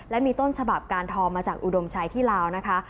และมีต้นฉบับการทองมาจากอุดมชัยที่ลาวนะคะ